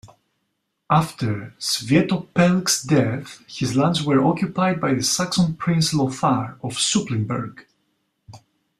After Swietopelk's death, his lands were occupied by the Saxon prince Lothar of Supplinburg.